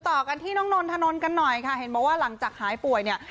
ต่อกันที่น้องนนทนนท์กันหน่อยค่ะเห็นบอกว่าหลังจากหายป่วยเนี่ย